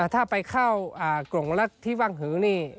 ถ้าไปเข้ากล่องรัฐที่ว่างหือนี่